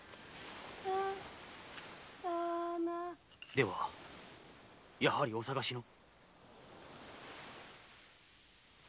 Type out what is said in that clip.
ではやはりお捜しの？